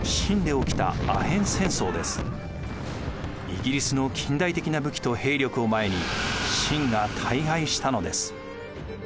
イギリスの近代的な武器と兵力を前に清が大敗したのです。